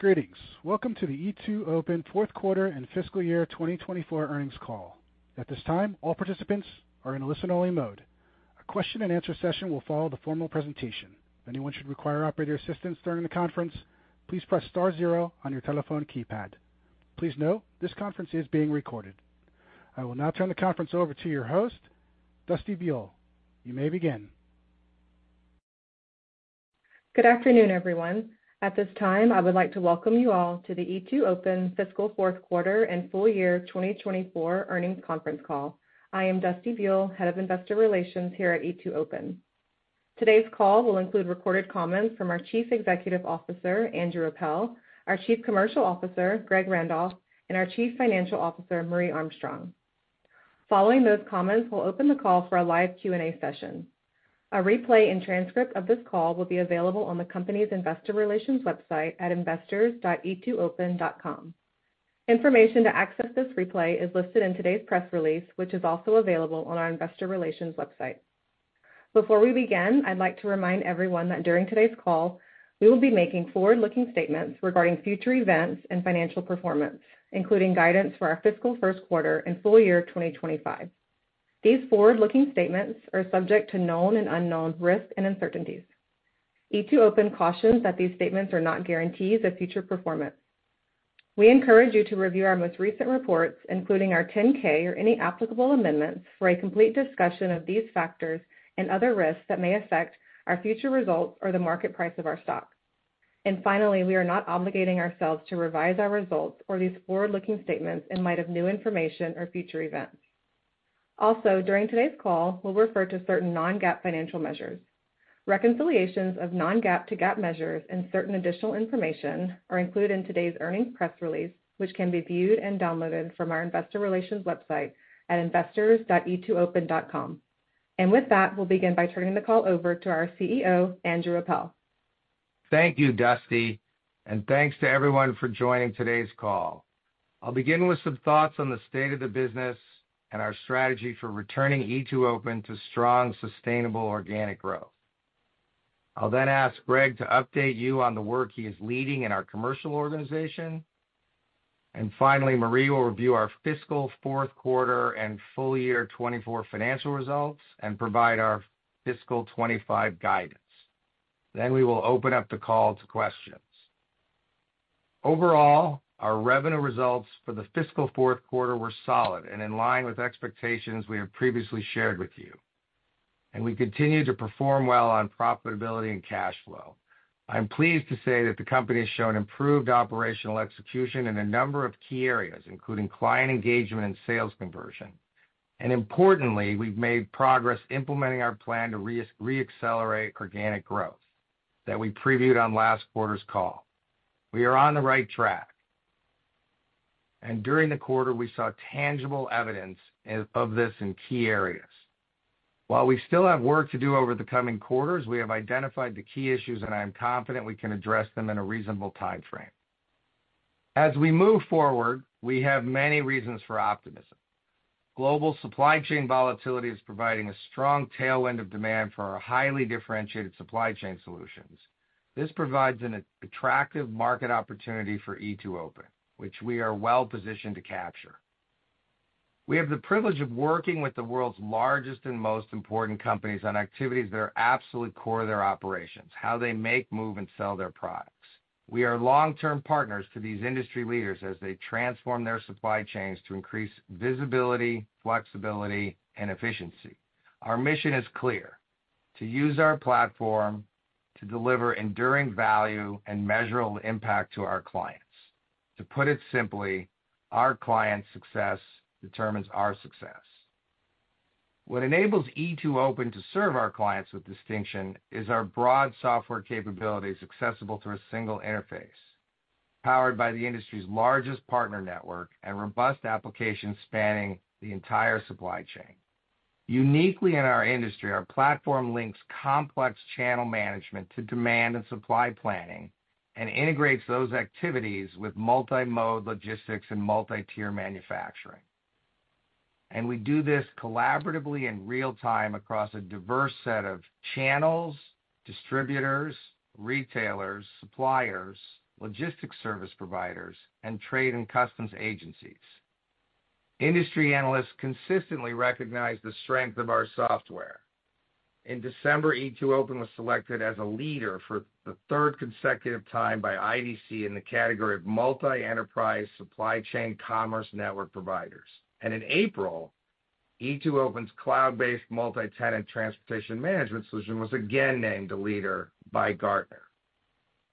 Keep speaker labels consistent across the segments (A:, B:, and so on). A: Greetings. Welcome to the e2open Fourth Quarter and Fiscal Year 2024 Earnings Call. At this time, all participants are in a listen-only mode. A question and answer session will follow the formal presentation. If anyone should require operator assistance during the conference, please press star zero on your telephone keypad. Please note, this conference is being recorded. I will now turn the conference over to your host, Dusty Buell. You may begin.
B: Good afternoon, everyone. At this time, I would like to welcome you all to the e2open Fiscal Fourth Quarter and Full Year 2024 Earnings Conference Call. I am Dusty Buell, Head of Investor Relations here at e2open. Today's call will include recorded comments from our Chief Executive Officer, Andrew Appel, our Chief Commercial Officer, Greg Randolph, and our Chief Financial Officer, Marje Armstrong. Following those comments, we'll open the call for a live Q&A session. A replay and transcript of this call will be available on the company's investor relations website at investors.e2open.com. Information to access this replay is listed in today's press release, which is also available on our investor relations website. Before we begin, I'd like to remind everyone that during today's call, we will be making forward-looking statements regarding future events and financial performance, including guidance for our fiscal first quarter and full year 2025. These forward-looking statements are subject to known and unknown risks and uncertainties. e2open cautions that these statements are not guarantees of future performance. We encourage you to review our most recent reports, including our 10-K or any applicable amendments, for a complete discussion of these factors and other risks that may affect our future results or the market price of our stock. Finally, we are not obligating ourselves to revise our results or these forward-looking statements in light of new information or future events. Also, during today's call, we'll refer to certain non-GAAP financial measures. Reconciliations of non-GAAP to GAAP measures and certain additional information are included in today's earnings press release, which can be viewed and downloaded from our investor relations website at investors.e2open.com. With that, we'll begin by turning the call over to our CEO, Andrew Appel.
C: Thank you, Dusty, and thanks to everyone for joining today's call. I'll begin with some thoughts on the state of the business and our strategy for returning e2open to strong, sustainable, organic growth. I'll then ask Greg to update you on the work he is leading in our commercial organization. And finally, Marje will review our Fiscal Fourth Quarter and Full Year 2024 Financial Results and provide our fiscal 2025 guidance. Then we will open up the call to questions. Overall, our revenue results for the fiscal fourth quarter were solid and in line with expectations we have previously shared with you, and we continued to perform well on profitability and cash flow. I'm pleased to say that the company has shown improved operational execution in a number of key areas, including client engagement and sales conversion. Importantly, we've made progress implementing our plan to reaccelerate organic growth that we previewed on last quarter's call. We are on the right track, and during the quarter, we saw tangible evidence of this in key areas. While we still have work to do over the coming quarters, we have identified the key issues, and I am confident we can address them in a reasonable timeframe. As we move forward, we have many reasons for optimism. Global supply chain volatility is providing a strong tailwind of demand for our highly differentiated supply chain solutions. This provides an attractive market opportunity for e2open, which we are well positioned to capture. We have the privilege of working with the world's largest and most important companies on activities that are absolutely core to their operations, how they make, move, and sell their products. We are long-term partners to these industry leaders as they transform their supply chains to increase visibility, flexibility, and efficiency. Our mission is clear: to use our platform to deliver enduring value and measurable impact to our clients. To put it simply, our clients' success determines our success. What enables e2open to serve our clients with distinction is our broad software capabilities, accessible through a single interface, powered by the industry's largest partner network and robust applications spanning the entire supply chain. Uniquely in our industry, our platform links complex channel management to demand and supply planning and integrates those activities with multi-mode logistics and multi-tier manufacturing. And we do this collaboratively in real time across a diverse set of channels, distributors, retailers, suppliers, logistics service providers, and trade and customs agencies. Industry analysts consistently recognize the strength of our software. In December, e2open was selected as a leader for the third consecutive time by IDC in the category of Multi-Enterprise Supply Chain Commerce Network providers. In April, e2open's cloud-based multi-tenant transportation management solution was again named a leader by Gartner.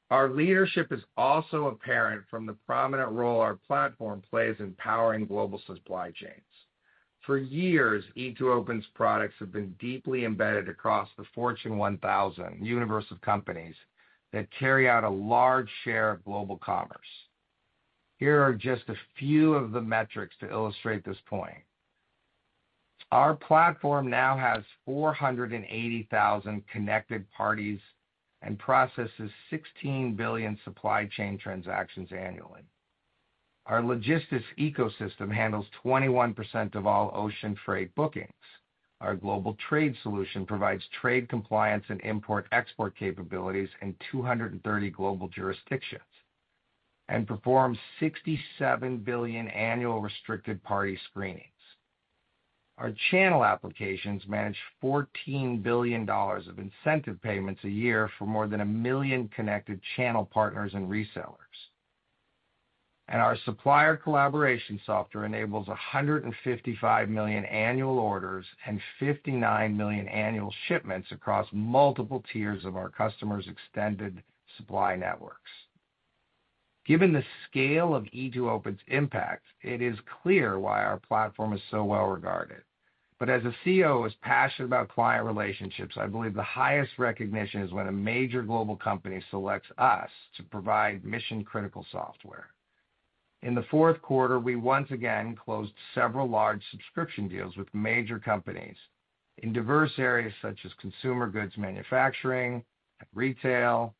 C: Our leadership is also apparent from the prominent role our platform plays in powering global supply chains. For years, e2open's products have been deeply embedded across the Fortune 1,000 universe of companies that carry out a large share of global commerce. Here are just a few of the metrics to illustrate this point. Our platform now has 480,000 connected parties and processes 16 billion supply chain transactions annually. Our logistics ecosystem handles 21% of all ocean freight bookings. Our Global Trade solution provides trade compliance and import-export capabilities in 230 global jurisdictions, and performs 67 billion annual restricted party screenings. Our Channel applications manage $14 billion of incentive payments a year for more than 1 million connected channel partners and resellers. And our supplier collaboration software enables 155 million annual orders and 59 million annual shipments across multiple tiers of our customers' extended supply networks. Given the scale of e2open's impact, it is clear why our platform is so well-regarded. But as a CEO who is passionate about client relationships, I believe the highest recognition is when a major global company selects us to provide mission-critical software. In the fourth quarter, we once again closed several large subscription deals with major companies in diverse areas such as consumer goods manufacturing, retail,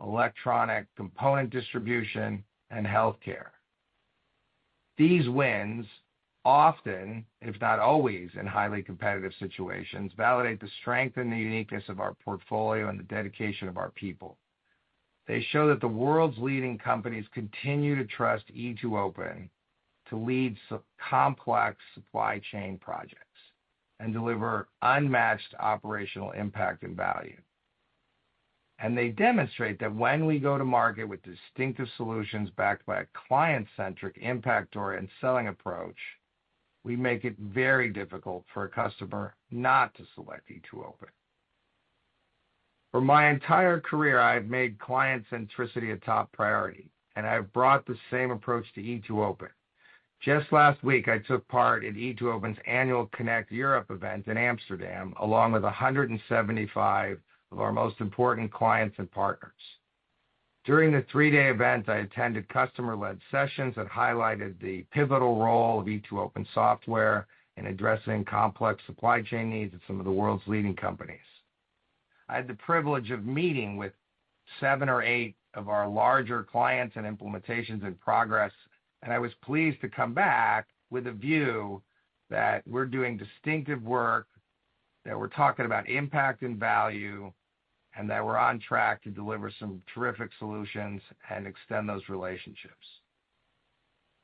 C: electronic component distribution, and healthcare. These wins, often, if not always, in highly competitive situations, validate the strength and the uniqueness of our portfolio and the dedication of our people. They show that the world's leading companies continue to trust e2open to lead complex supply chain projects and deliver unmatched operational impact and value. They demonstrate that when we go to market with distinctive solutions backed by a client-centric impact-oriented selling approach, we make it very difficult for a customer not to select e2open. For my entire career, I have made client centricity a top priority, and I have brought the same approach to e2open. Just last week, I took part in e2open's annual Connect Europe event in Amsterdam, along with 175 of our most important clients and partners. During the three-day event, I attended customer-led sessions that highlighted the pivotal role of e2open software in addressing complex supply chain needs of some of the world's leading companies. I had the privilege of meeting with 7 or 8 of our larger clients and implementations in progress, and I was pleased to come back with a view that we're doing distinctive work, that we're talking about impact and value, and that we're on track to deliver some terrific solutions and extend those relationships.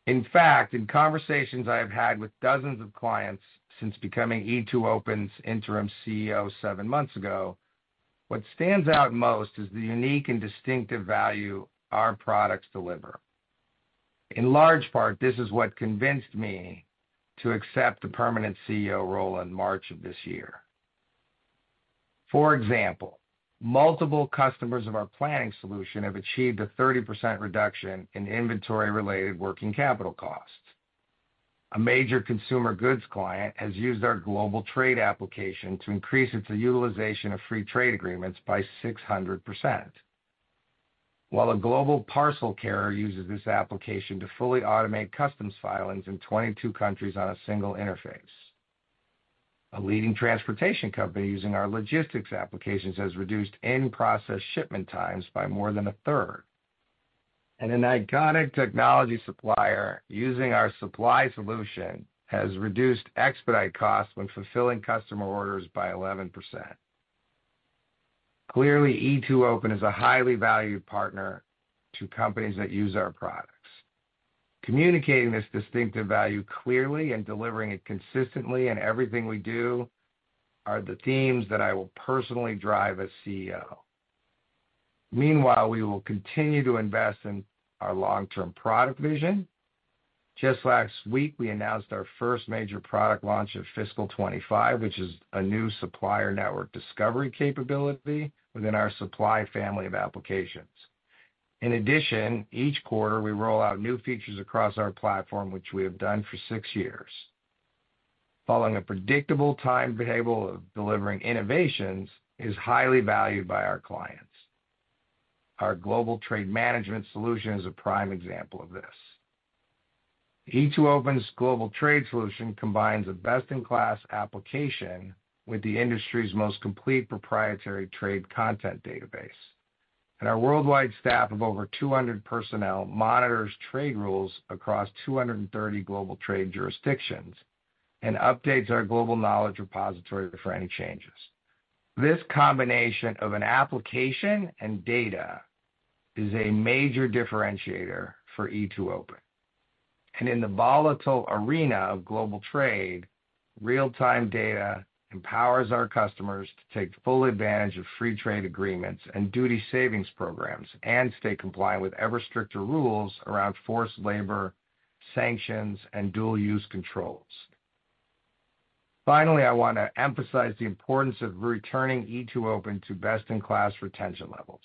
C: In fact, in conversations I have had with dozens of clients since becoming e2open's interim CEO 7 months ago, what stands out most is the unique and distinctive value our products deliver. In large part, this is what convinced me to accept the permanent CEO role in March of this year. For example, multiple customers of our Planning solution have achieved a 30% reduction in inventory-related working capital costs. A major consumer goods client has used our Global Trade application to increase its utilization of free trade agreements by 600%, while a global parcel carrier uses this application to fully automate customs filings in 22 countries on a single interface. A leading transportation company using our Logistics applications has reduced in-process shipment times by more than a third. And an iconic technology supplier using our supply solution has reduced expedite costs when fulfilling customer orders by 11%. Clearly, e2open is a highly valued partner to companies that use our products. Communicating this distinctive value clearly and delivering it consistently in everything we do are the themes that I will personally drive as CEO. Meanwhile, we will continue to invest in our long-term product vision. Just last week, we announced our first major product launch of fiscal 2025, which is a new supplier network discovery capability within our Supply family of applications. In addition, each quarter, we roll out new features across our platform, which we have done for 6 years. Following a predictable time table of delivering innovations is highly valued by our clients. Our Global Trade management solution is a prime example of this. e2open's Global Trade solution combines a best-in-class application with the industry's most complete proprietary trade content database, and our worldwide staff of over 200 personnel monitors trade rules across 230 Global Trade jurisdictions and updates our global knowledge repository for any changes. This combination of an application and data is a major differentiator for e2open. In the volatile arena of Global Trade, real-time data empowers our customers to take full advantage of free trade agreements and duty savings programs, and stay compliant with ever stricter rules around forced labor, sanctions, and dual-use controls. Finally, I want to emphasize the importance of returning e2open to best-in-class retention levels.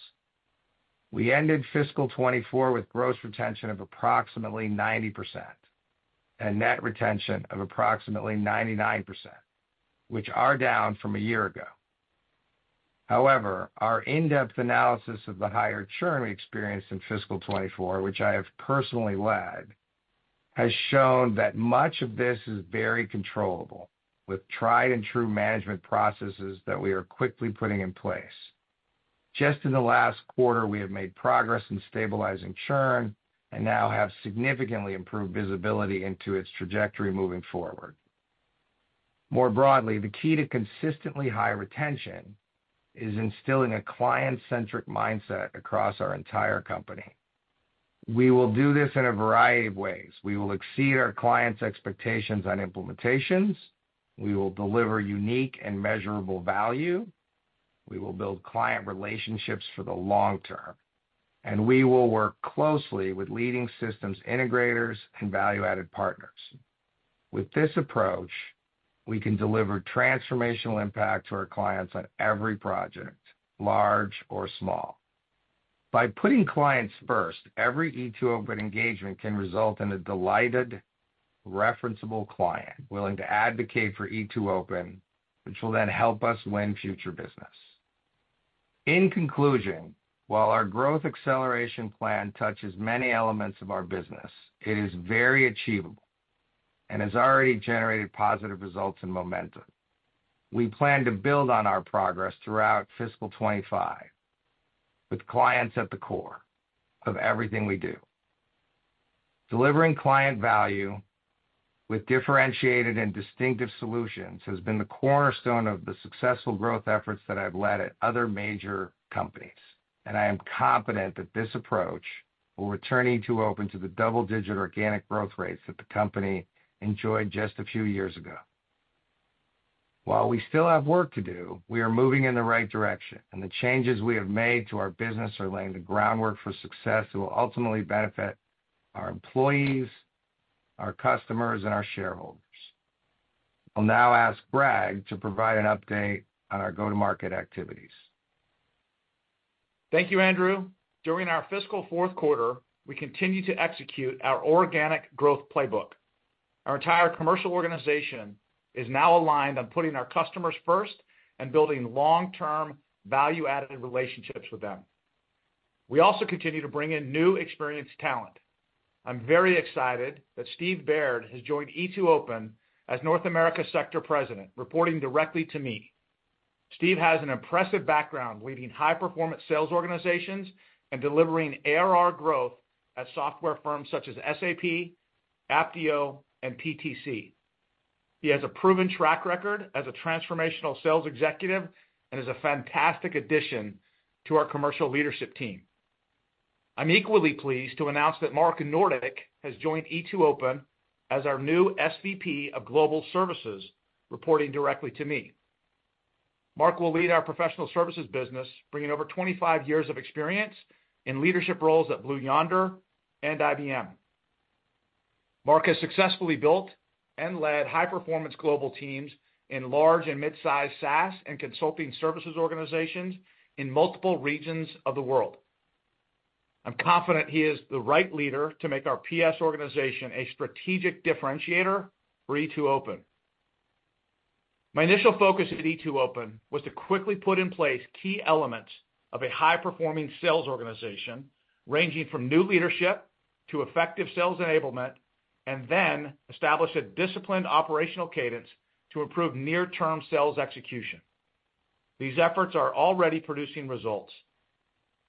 C: We ended fiscal 2024 with gross retention of approximately 90% and net retention of approximately 99%, which are down from a year ago. However, our in-depth analysis of the higher churn we experienced in fiscal 2024, which I have personally led, has shown that much of this is very controllable with tried and true management processes that we are quickly putting in place. Just in the last quarter, we have made progress in stabilizing churn and now have significantly improved visibility into its trajectory moving forward. More broadly, the key to consistently high retention is instilling a client-centric mindset across our entire company. We will do this in a variety of ways. We will exceed our clients' expectations on implementations, we will deliver unique and measurable value, we will build client relationships for the long term, and we will work closely with leading systems integrators and value-added partners. With this approach, we can deliver transformational impact to our clients on every project, large or small. By putting clients first, every e2open engagement can result in a delighted, referenceable client willing to advocate for e2open, which will then help us win future business. In conclusion, while our growth acceleration plan touches many elements of our business, it is very achievable and has already generated positive results and momentum. We plan to build on our progress throughout fiscal 2025, with clients at the core of everything we do. Delivering client value with differentiated and distinctive solutions has been the cornerstone of the successful growth efforts that I've led at other major companies, and I am confident that this approach will return e2open to the double-digit organic growth rates that the company enjoyed just a few years ago. While we still have work to do, we are moving in the right direction, and the changes we have made to our business are laying the groundwork for success that will ultimately benefit our employees, our customers, and our shareholders. I'll now ask Greg to provide an update on our go-to-market activities.
D: Thank you, Andrew. During our fiscal fourth quarter, we continued to execute our organic growth playbook. Our entire commercial organization is now aligned on putting our customers first and building long-term, value-added relationships with them. We also continue to bring in new, experienced talent. I'm very excited that Steve Baird has joined e2open as North America Sector President, reporting directly to me. Steve has an impressive background leading high-performance sales organizations and delivering ARR growth at software firms such as SAP, Apptio, and PTC. He has a proven track record as a transformational sales executive and is a fantastic addition to our commercial leadership team. I'm equally pleased to announce that Mark Nordick has joined e2open as our new SVP of Global Services, reporting directly to me. Mark will lead our professional services business, bringing over 25 years of experience in leadership roles at Blue Yonder and IBM. Mark has successfully built and led high-performance global teams in large and mid-sized SaaS and consulting services organizations in multiple regions of the world. I'm confident he is the right leader to make our PS organization a strategic differentiator for e2open. My initial focus at e2open was to quickly put in place key elements of a high-performing sales organization, ranging from new leadership to effective sales enablement, and then establish a disciplined operational cadence to improve near-term sales execution. These efforts are already producing results.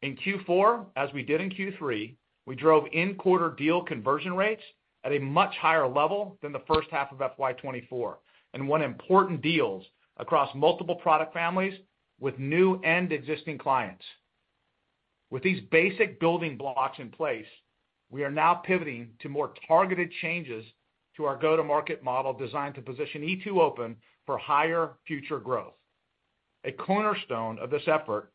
D: In Q4, as we did in Q3, we drove in-quarter deal conversion rates at a much higher level than the first half of FY 2024, and won important deals across multiple product families with new and existing clients. With these basic building blocks in place, we are now pivoting to more targeted changes to our go-to-market model, designed to position e2open for higher future growth. A cornerstone of this effort is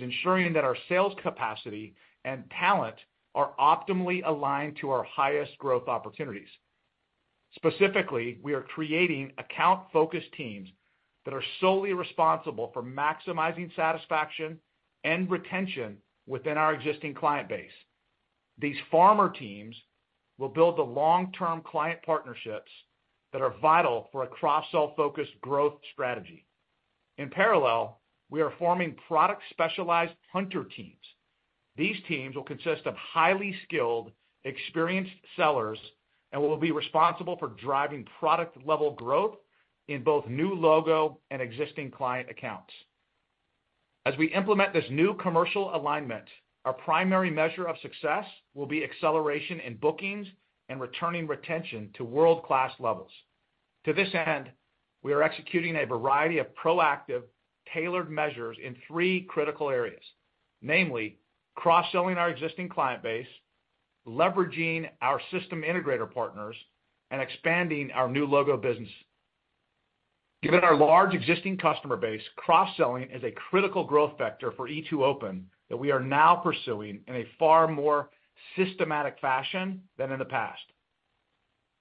D: ensuring that our sales capacity and talent are optimally aligned to our highest growth opportunities. Specifically, we are creating account-focused teams that are solely responsible for maximizing satisfaction and retention within our existing client base. These farmer teams will build the long-term client partnerships that are vital for a cross-sell-focused growth strategy. In parallel, we are forming product-specialized hunter teams. These teams will consist of highly skilled, experienced sellers and will be responsible for driving product-level growth in both new logo and existing client accounts. As we implement this new commercial alignment, our primary measure of success will be acceleration in bookings and returning retention to world-class levels. To this end, we are executing a variety of proactive, tailored measures in three critical areas, namely, cross-selling our existing client base, leveraging our system integrator partners, and expanding our new logo business. Given our large existing customer base, cross-selling is a critical growth vector for e2open that we are now pursuing in a far more systematic fashion than in the past.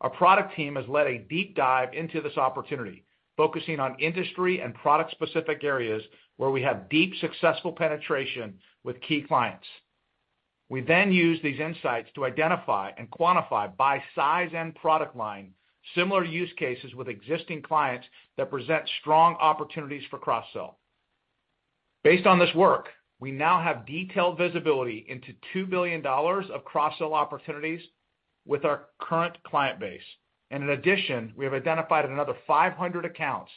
D: Our product team has led a deep dive into this opportunity, focusing on industry and product-specific areas where we have deep, successful penetration with key clients. We then use these insights to identify and quantify by size and product line, similar use cases with existing clients that present strong opportunities for cross-sell. Based on this work, we now have detailed visibility into $2 billion of cross-sell opportunities with our current client base, and in addition, we have identified another 500 accounts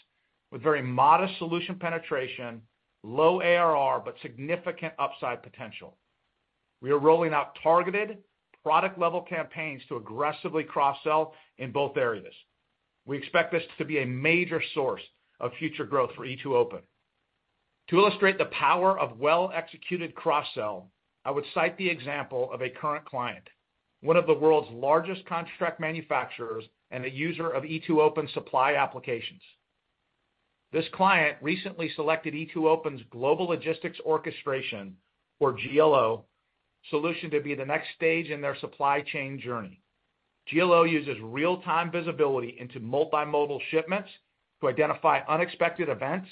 D: with very modest solution penetration, low ARR, but significant upside potential. We are rolling out targeted product-level campaigns to aggressively cross-sell in both areas. We expect this to be a major source of future growth for e2open. To illustrate the power of well-executed cross-sell, I would cite the example of a current client, one of the world's largest contract manufacturers and a user of e2open supply applications. This client recently selected e2open's Global Logistics Orchestration, or GLO, solution to be the next stage in their supply chain journey. GLO uses real-time visibility into multimodal shipments to identify unexpected events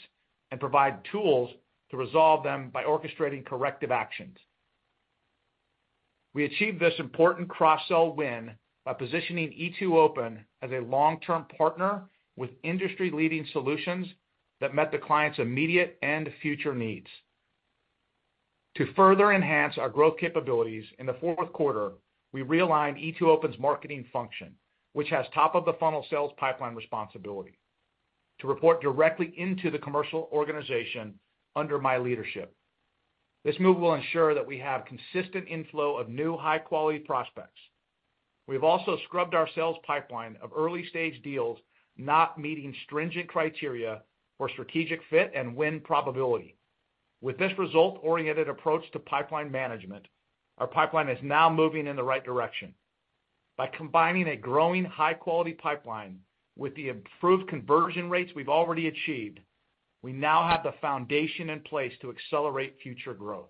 D: and provide tools to resolve them by orchestrating corrective actions. We achieved this important cross-sell win by positioning e2open as a long-term partner with industry-leading solutions that met the client's immediate and future needs. To further enhance our growth capabilities, in the fourth quarter, we realigned e2open's marketing function, which has top of the funnel sales pipeline responsibility, to report directly into the commercial organization under my leadership. This move will ensure that we have consistent inflow of new, high-quality prospects. We've also scrubbed our sales pipeline of early-stage deals, not meeting stringent criteria for strategic fit and win probability. With this result-oriented approach to pipeline management, our pipeline is now moving in the right direction. By combining a growing high-quality pipeline with the improved conversion rates we've already achieved, we now have the foundation in place to accelerate future growth.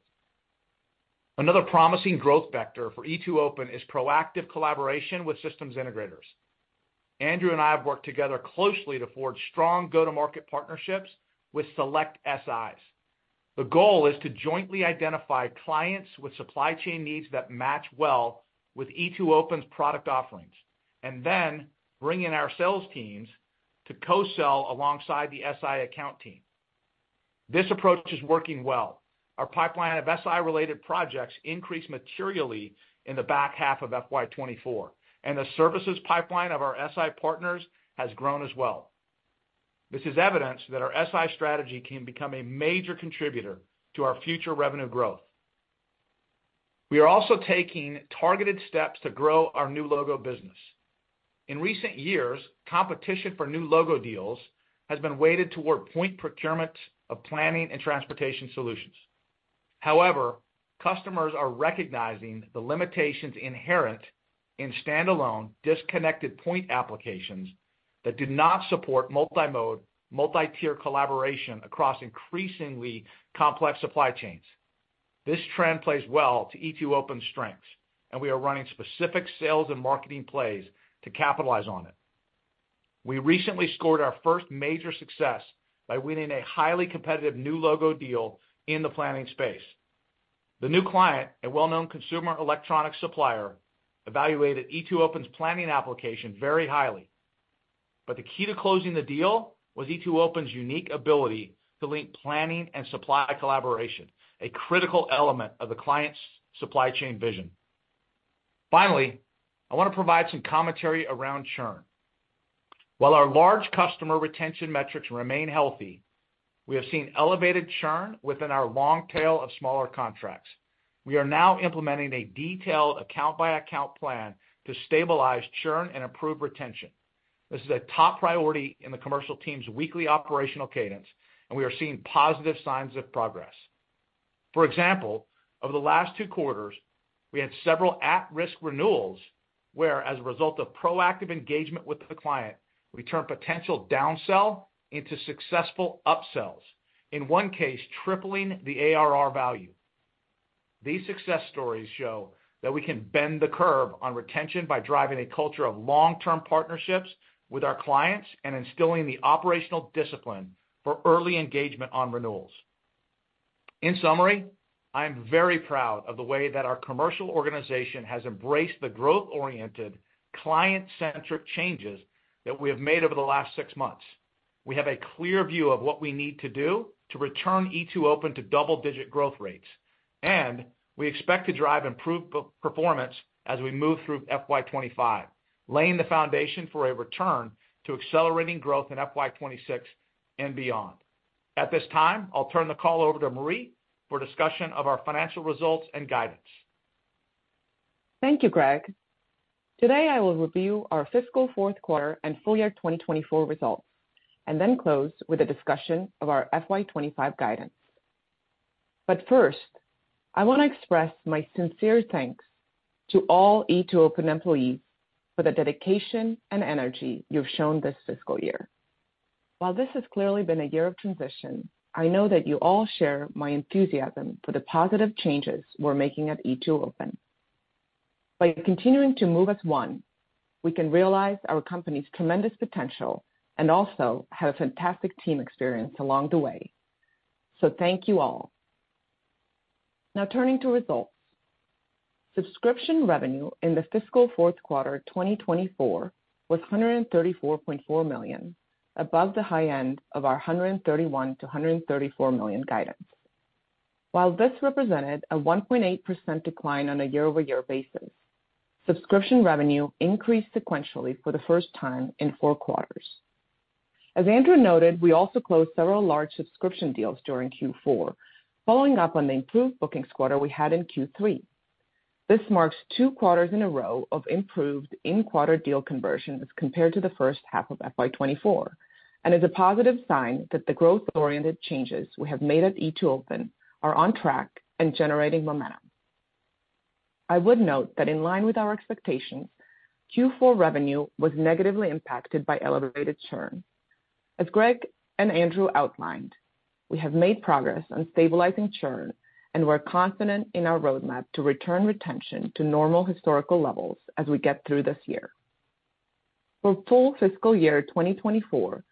D: Another promising growth vector for e2open is proactive collaboration with systems integrators. Andrew and I have worked together closely to forge strong go-to-market partnerships with select SIs. The goal is to jointly identify clients with supply chain needs that match well with e2open's product offerings, and then bring in our sales teams to co-sell alongside the SI account team. This approach is working well. Our pipeline of SI-related projects increased materially in the back half of FY 2024, and the services pipeline of our SI partners has grown as well. This is evidence that our SI strategy can become a major contributor to our future revenue growth. We are also taking targeted steps to grow our new logo business. In recent years, competition for new logo deals has been weighted toward point procurements of planning and transportation solutions. However, customers are recognizing the limitations inherent in standalone, disconnected point applications that do not support multi-mode, multi-tier collaboration across increasingly complex supply chains. This trend plays well to e2open's strengths, and we are running specific sales and marketing plays to capitalize on it. We recently scored our first major success by winning a highly competitive new logo deal in the planning space. The new client, a well-known consumer electronic supplier, evaluated e2open's planning application very highly, but the key to closing the deal was e2open's unique ability to link planning and supply collaboration, a critical element of the client's supply chain vision. Finally, I want to provide some commentary around churn. While our large customer retention metrics remain healthy, we have seen elevated churn within our long tail of smaller contracts. We are now implementing a detailed account-by-account plan to stabilize churn and improve retention. This is a top priority in the commercial team's weekly operational cadence, and we are seeing positive signs of progress. For example, over the last two quarters, we had several at-risk renewals, where, as a result of proactive engagement with the client, we turned potential downsell into successful upsells, in one case, tripling the ARR value. These success stories show that we can bend the curve on retention by driving a culture of long-term partnerships with our clients and instilling the operational discipline for early engagement on renewals. In summary, I am very proud of the way that our commercial organization has embraced the growth-oriented, client-centric changes that we have made over the last six months. We have a clear view of what we need to do to return e2open to double-digit growth rates, and we expect to drive improved performance as we move through FY 25, laying the foundation for a return to accelerating growth in FY 26 and beyond. At this time, I'll turn the call over to Marje for discussion of our financial results and guidance.
E: Thank you, Greg. Today, I will review our fiscal fourth quarter and full year 2024 results, and then close with a discussion of our FY 2025 guidance. But first, I want to express my sincere thanks to all e2open employees for the dedication and energy you've shown this fiscal year. While this has clearly been a year of transition, I know that you all share my enthusiasm for the positive changes we're making at e2open. By continuing to move as one, we can realize our company's tremendous potential and also have a fantastic team experience along the way. So thank you all. Now, turning to results. Subscription revenue in the fiscal fourth quarter 2024 was $134.4 million, above the high end of our $131 million-$134 million guidance. While this represented a 1.8% decline on a year-over-year basis, subscription revenue increased sequentially for the first time in four quarters. As Andrew noted, we also closed several large subscription deals during Q4, following up on the improved bookings quarter we had in Q3. This marks two quarters in a row of improved in-quarter deal conversions compared to the first half of FY 2024, and is a positive sign that the growth-oriented changes we have made at e2open are on track and generating momentum. I would note that in line with our expectations, Q4 revenue was negatively impacted by elevated churn. As Greg and Andrew outlined, we have made progress on stabilizing churn, and we're confident in our roadmap to return retention to normal historical levels as we get through this year. For full fiscal year 2024,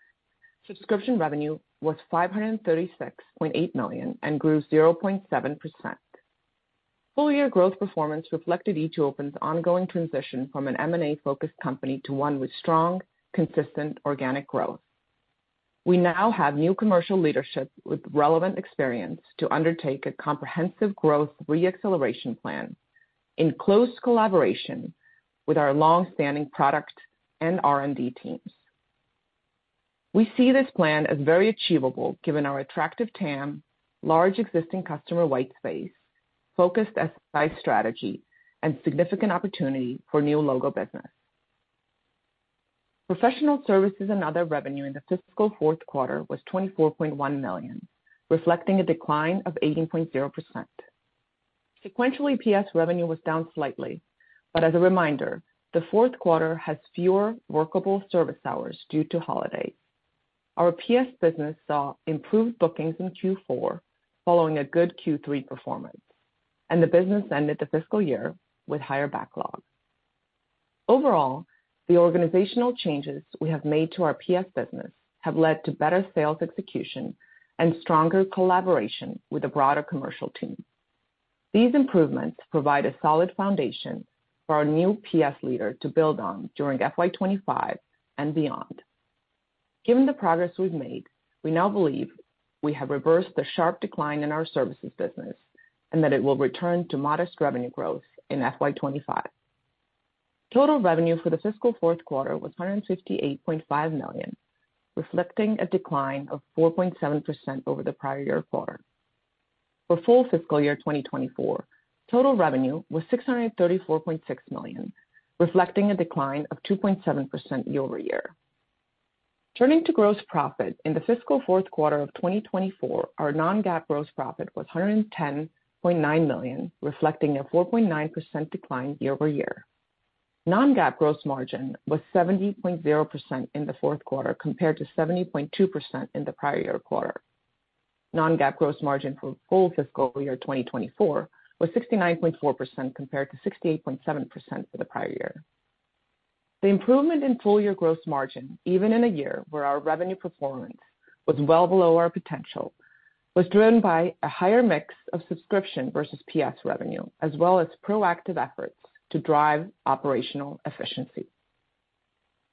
E: subscription revenue was $536.8 million, and grew 0.7%. Full year growth performance reflected e2open's ongoing transition from an M&A-focused company to one with strong, consistent organic growth. We now have new commercial leadership with relevant experience to undertake a comprehensive growth re-acceleration plan in close collaboration with our long-standing product and R&D teams. We see this plan as very achievable, given our attractive TAM, large existing customer white space, focused SI strategy, and significant opportunity for new logo business. Professional services and other revenue in the fiscal fourth quarter was $24.1 million, reflecting a decline of 18.0%. Sequentially, PS revenue was down slightly, but as a reminder, the fourth quarter has fewer workable service hours due to holidays. Our PS business saw improved bookings in Q4, following a good Q3 performance, and the business ended the fiscal year with higher backlog. Overall, the organizational changes we have made to our PS business have led to better sales execution and stronger collaboration with a broader commercial team. These improvements provide a solid foundation for our new PS leader to build on during FY 2025 and beyond. Given the progress we've made, we now believe we have reversed the sharp decline in our services business, and that it will return to modest revenue growth in FY 2025. Total revenue for the fiscal fourth quarter was $158.5 million, reflecting a decline of 4.7% over the prior year quarter. For full fiscal year 2024, total revenue was $634.6 million, reflecting a decline of 2.7% year-over-year. Turning to gross profit, in the fiscal fourth quarter of 2024, our non-GAAP gross profit was $110.9 million, reflecting a 4.9% decline year-over-year. Non-GAAP gross margin was 70.0% in the fourth quarter, compared to 70.2% in the prior year quarter. Non-GAAP gross margin for full fiscal year 2024 was 69.4%, compared to 68.7% for the prior year. The improvement in full year gross margin, even in a year where our revenue performance was well below our potential, was driven by a higher mix of subscription versus PS revenue, as well as proactive efforts to drive operational efficiency.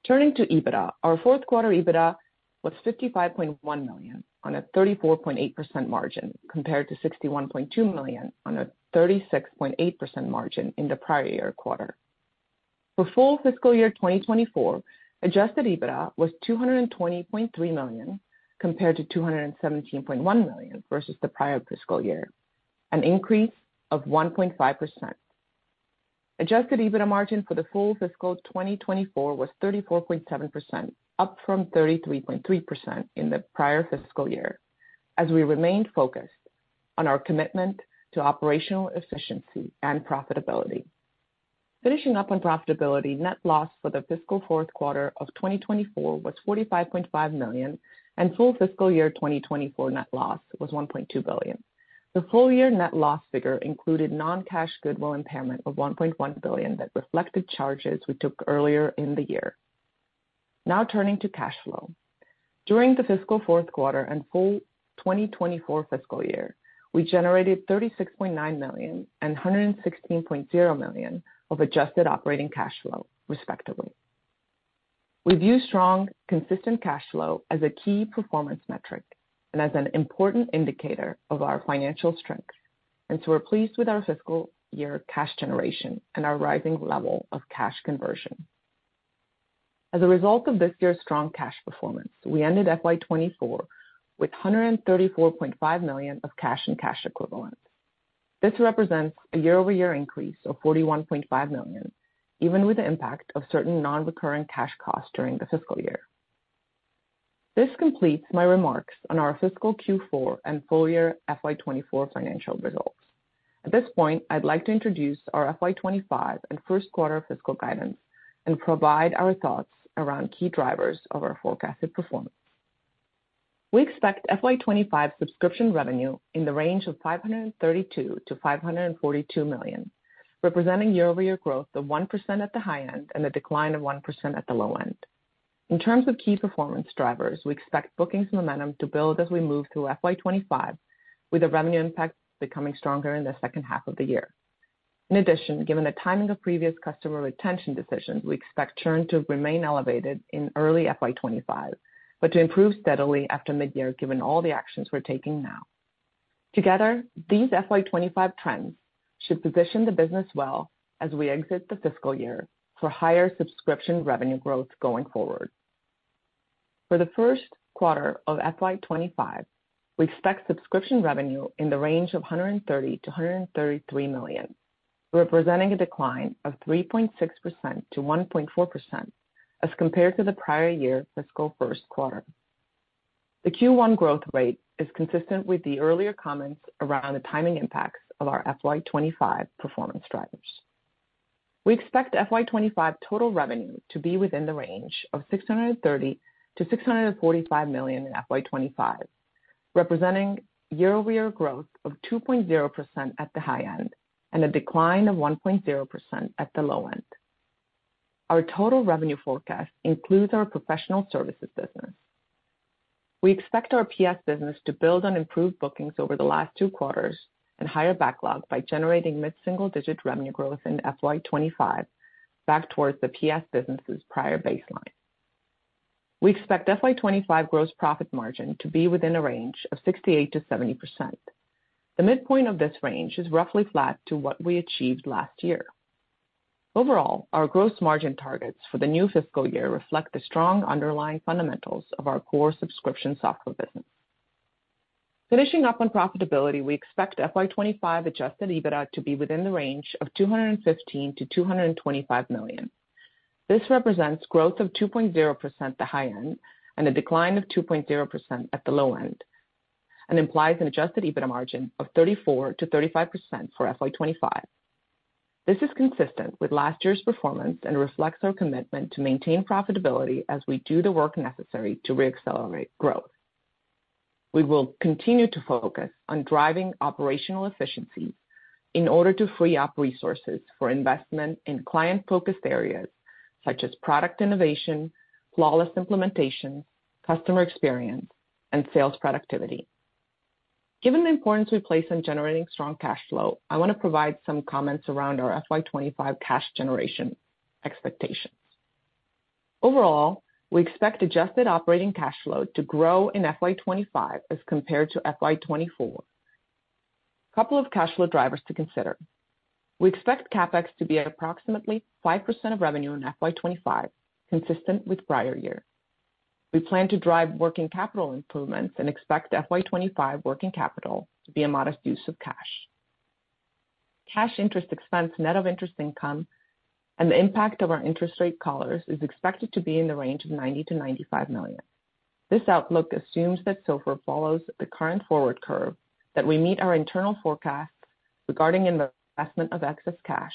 E: Turning to EBITDA, our fourth quarter EBITDA was $55.1 million on a 34.8% margin, compared to $61.2 million on a 36.8% margin in the prior year quarter. For full fiscal year 2024, Adjusted EBITDA was $220.3 million, compared to $217.1 million versus the prior fiscal year, an increase of 1.5%. Adjusted EBITDA margin for the full fiscal 2024 was 34.7%, up from 33.3% in the prior fiscal year, as we remained focused on our commitment to operational efficiency and profitability. Finishing up on profitability, Net Loss for the fiscal fourth quarter of 2024 was $45.5 million, and full fiscal year 2024 Net Loss was $1.2 billion. The full year net loss figure included non-cash goodwill impairment of $1.1 billion that reflected charges we took earlier in the year. Now, turning to cash flow. During the fiscal fourth quarter and full 2024 fiscal year, we generated $36.9 million and $116.0 million of adjusted operating cash flow, respectively. We view strong, consistent cash flow as a key performance metric and as an important indicator of our financial strength, and so we're pleased with our fiscal year cash generation and our rising level of cash conversion. As a result of this year's strong cash performance, we ended FY 2024 with $134.5 million of cash and cash equivalents. This represents a year-over-year increase of $41.5 million, even with the impact of certain non-recurring cash costs during the fiscal year. This completes my remarks on our fiscal Q4 and full year FY 2024 financial results. At this point, I'd like to introduce our FY 2025 and first quarter fiscal guidance and provide our thoughts around key drivers of our forecasted performance. We expect FY 2025 subscription revenue in the range of $532 million-$542 million, representing year-over-year growth of 1% at the high end, and a decline of 1% at the low end. In terms of key performance drivers, we expect bookings momentum to build as we move through FY 2025, with the revenue impact becoming stronger in the second half of the year. In addition, given the timing of previous customer retention decisions, we expect churn to remain elevated in early FY 2025, but to improve steadily after midyear, given all the actions we're taking now. Together, these FY 2025 trends should position the business well as we exit the fiscal year for higher subscription revenue growth going forward. For the first quarter of FY 2025, we expect subscription revenue in the range of $130 million-$133 million, representing a decline of -3.6% to -1.4% as compared to the prior year fiscal first quarter. The Q1 growth rate is consistent with the earlier comments around the timing impacts of our FY 2025 performance drivers. We expect FY 2025 total revenue to be within the range of $630 million-$645 million in FY 2025, representing year-over-year growth of 2.0% at the high end, and a decline of -1.0% at the low end. Our total revenue forecast includes our professional services business. We expect our PS business to build on improved bookings over the last two quarters and higher backlogs by generating mid-single-digit revenue growth in FY 2025 back towards the PS business's prior baseline. We expect FY 2025 gross profit margin to be within a range of 68%-70%. The midpoint of this range is roughly flat to what we achieved last year. Overall, our gross margin targets for the new fiscal year reflect the strong underlying fundamentals of our core subscription software business. Finishing up on profitability, we expect FY 2025 Adjusted EBITDA to be within the range of $215 million-$225 million. This represents growth of 2.0% at the high end, and a decline of 2.0% at the low end, and implies an Adjusted EBITDA margin of 34%-35% for FY 2025. This is consistent with last year's performance and reflects our commitment to maintain profitability as we do the work necessary to reaccelerate growth. We will continue to focus on driving operational efficiencies in order to free up resources for investment in client-focused areas such as product innovation, flawless implementation, customer experience, and sales productivity. Given the importance we place on generating strong cash flow, I want to provide some comments around our FY 25 cash generation expectations. Overall, we expect adjusted operating cash flow to grow in FY 25 as compared to FY 24. Couple of cash flow drivers to consider: We expect CapEx to be at approximately 5% of revenue in FY 25, consistent with prior year. We plan to drive working capital improvements and expect FY 25 working capital to be a modest use of cash. Cash interest expense, net of interest income, and the impact of our interest rate collars is expected to be in the range of $90 million-$95 million. This outlook assumes that SOFR follows the current forward curve, that we meet our internal forecasts regarding investment of excess cash,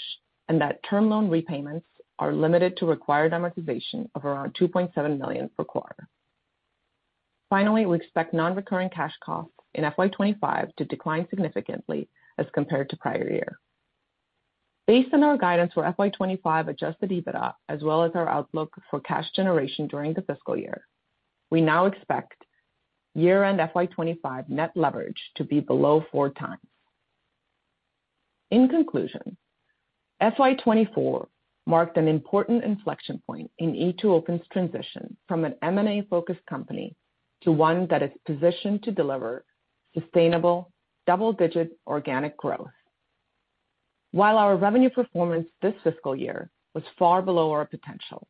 E: and that term loan repayments are limited to required amortization of around $2.7 million per quarter. Finally, we expect non-recurring cash costs in FY 2025 to decline significantly as compared to prior year. Based on our guidance for FY 2025 Adjusted EBITDA, as well as our outlook for cash generation during the fiscal year, we now expect year-end FY 2025 net leverage to be below 4x. In conclusion, FY 2024 marked an important inflection point in e2open's transition from an M&A-focused company to one that is positioned to deliver sustainable double-digit organic growth. While our revenue performance this fiscal year was far below our potential,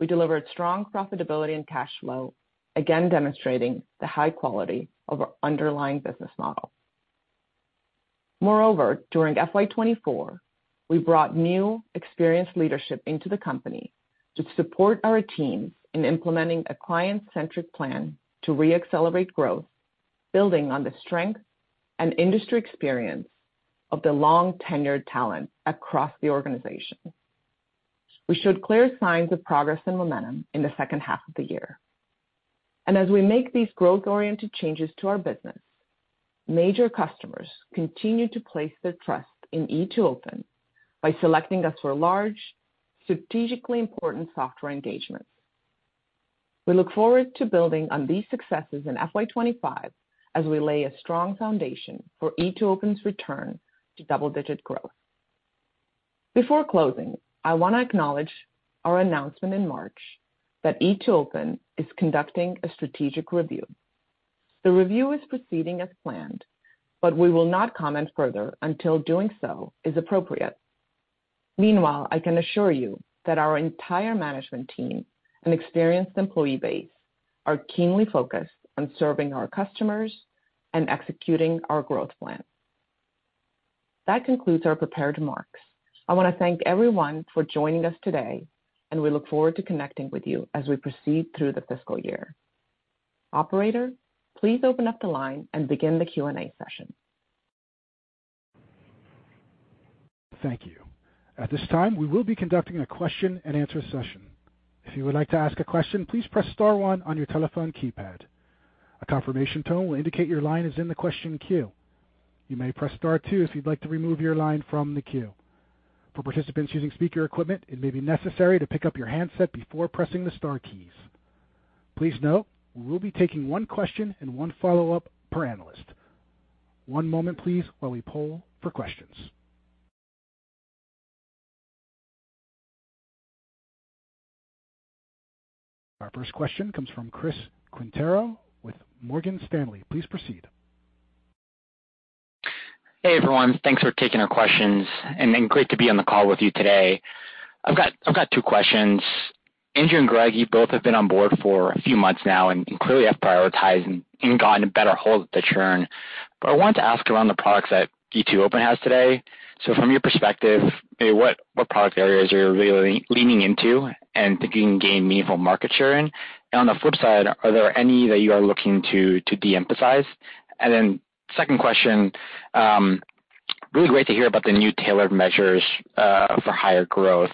E: we delivered strong profitability and cash flow, again demonstrating the high quality of our underlying business model. Moreover, during FY 2024, we brought new experienced leadership into the company to support our teams in implementing a client-centric plan to reaccelerate growth, building on the strength and industry experience of the long-tenured talent across the organization. We showed clear signs of progress and momentum in the second half of the year. As we make these growth-oriented changes to our business, major customers continue to place their trust in e2open by selecting us for large, strategically important software engagements. We look forward to building on these successes in FY 2025 as we lay a strong foundation for e2open's return to double-digit growth. Before closing, I want to acknowledge our announcement in March that e2open is conducting a strategic review. The review is proceeding as planned, but we will not comment further until doing so is appropriate. Meanwhile, I can assure you that our entire management team and experienced employee base are keenly focused on serving our customers and executing our growth plan. That concludes our prepared remarks. I want to thank everyone for joining us today, and we look forward to connecting with you as we proceed through the fiscal year. Operator, please open up the line and begin the Q&A session.
A: Thank you. At this time, we will be conducting a question-and-answer session. If you would like to ask a question, please press star one on your telephone keypad. A confirmation tone will indicate your line is in the question queue. You may press star two if you'd like to remove your line from the queue. For participants using speaker equipment, it may be necessary to pick up your handset before pressing the star keys. Please note, we will be taking one question and one follow-up per analyst. One moment, please, while we poll for questions. Our first question comes from Chris Quintero with Morgan Stanley. Please proceed.
F: Hey, everyone. Thanks for taking our questions, and then great to be on the call with you today. I've got, I've got two questions. Andrew and Greg, you both have been on board for a few months now and, and clearly have prioritized and, and gotten a better hold of the churn. But I wanted to ask around the products that e2open has today. So from your perspective, maybe what, what product areas are you really leaning into and thinking gain meaningful market share in? And on the flip side, are there any that you are looking to, to de-emphasize? And then second question, really great to hear about the new tailored measures for higher growth.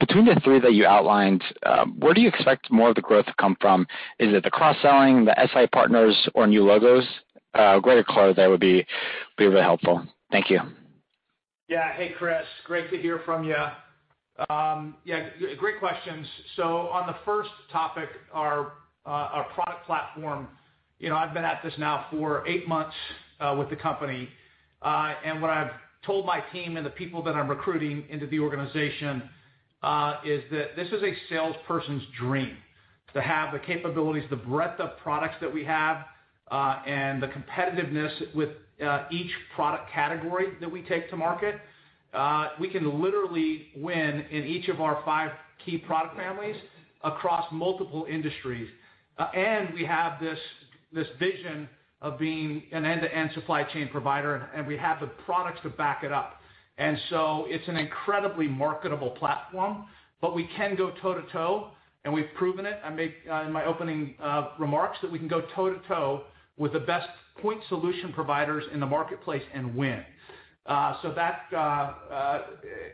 F: Between the three that you outlined, where do you expect more of the growth to come from? Is it the cross-selling, the SI partners, or new logos? Greater clarity there would be really helpful. Thank you.
D: Yeah. Hey, Chris, great to hear from you. Yeah, great questions. So on the first topic, our our product platform, you know, I've been at this now for eight months with the company. And what I've told my team and the people that I'm recruiting into the organization is that this is a salesperson's dream to have the capabilities, the breadth of products that we have and the competitiveness with each product category that we take to market. We can literally win in each of our five key product families across multiple industries. And we have this, this vision of being an end-to-end supply chain provider, and we have the products to back it up. It's an incredibly marketable platform, but we can go toe-to-toe, and we've proven it. I make in my opening remarks that we can go toe-to-toe with the best point solution providers in the marketplace and win. That,